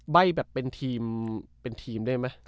ใบ้แบบเป็นทีมเป็นทีมได้ไหม